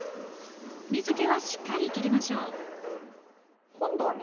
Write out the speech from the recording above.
水けはしっかりきりましょう今度はね